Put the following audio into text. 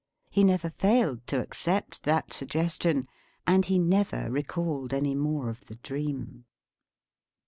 He never failed to accept that suggestion, and he never recalled any more of the dream.